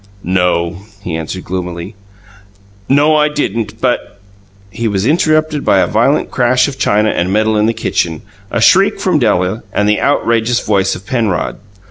"No," he answered gloomily. "No, I didn't, but " He was interrupted by a violent crash of china and metal in the kitchen, a shriek from Della, and the outrageous voice of Penrod.